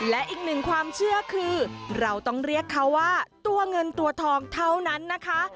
และอีกหนึ่งความเชื่อคือเราต้องเรียกเขาว่าตัวเงินตัวทองเท่านั้นนะคะ